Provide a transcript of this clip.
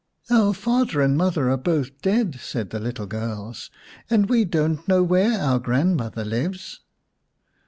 " Our father and mother are both dead," said the little girls, " and we don't know where our grandmother lives."